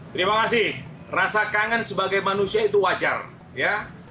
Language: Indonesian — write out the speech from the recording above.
terima kasih rasa kangen sebagai manusia itu wajar ya